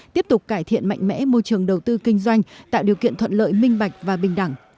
tiếp tục cải thiện mạnh mẽ môi trường đầu tư kinh doanh tạo điều kiện thuận lợi minh bạch và bình đẳng